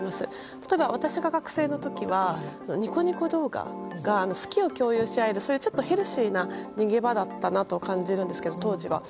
例えば私が学生の時はニコニコ動画が好きを共有し合えるヘルシーな逃げ場だったなと感じるんですが、当時は。